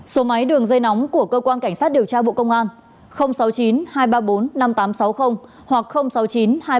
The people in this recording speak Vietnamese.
số máy đường dây nóng của cơ quan cảnh sát điều tra bộ công an sáu mươi chín hai trăm ba mươi bốn năm nghìn tám trăm sáu mươi hoặc sáu mươi chín hai trăm ba mươi hai một nghìn sáu trăm sáu mươi bảy